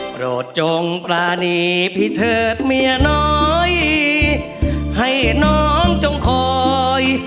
โปรดจงปรานีพี่เถิดเมียน้อยให้น้องจงคอย